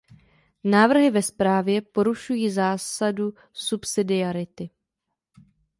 Návrhy ve zprávě porušují zásadu subsidiarity.